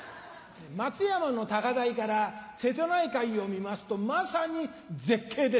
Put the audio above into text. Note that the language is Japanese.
松山の高台から瀬戸内海を見ますとまさに絶景ですね。